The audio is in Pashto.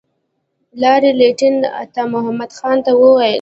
لارډ لیټن عطامحمد خان ته وویل.